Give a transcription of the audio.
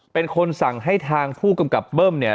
เป็นคนสั่งให้ทางผู้กำกับเบิ้มเนี่ย